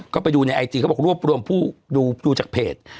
ก็ไปดูในไอจีเขาบอกรวบรวมผู้ดูจากเพจ